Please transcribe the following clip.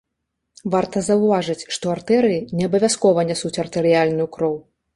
Варта заўважыць, што артэрыі не абавязкова нясуць артэрыяльную кроў.